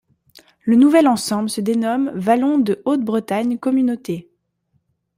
Le nouvel ensemble se dénomme Vallons de Haute-Bretagne communauté.